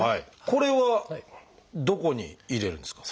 これはどこに入れるんですか？